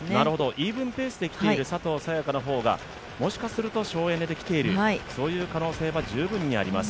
イーブンペースできている佐藤早也伽の方がもしかすると省エネできている可能性は十分にあります。